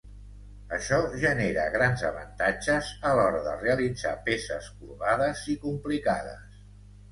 Això genera grans avantatges a l'hora de realitzar peces corbades i complicades.